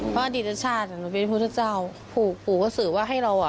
เพราะอดีตชาติอ่ะหนูเป็นพุทธเจ้าปู่ปู่ก็สื่อว่าให้เราอ่ะ